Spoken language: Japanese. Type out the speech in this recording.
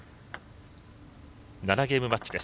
７ゲームマッチです。